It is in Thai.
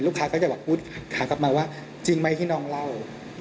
ลูกค้าก็จะหากพูดถามกลับมาว่าจริงไหมที่น้องเล่า